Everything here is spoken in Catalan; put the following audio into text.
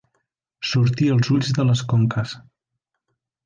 Sortir els ulls de les conques.